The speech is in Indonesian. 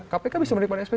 kpk bisa menerbitkan sp tiga